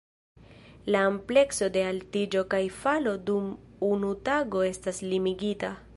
La amplekso de altiĝo kaj falo dum unu tago estas limigita.